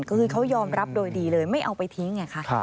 คือเขายอมรับโดยดีเลยไม่เอาไปทิ้งไงคะ